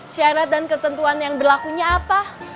syarat dan ketentuan yang berlakunya apa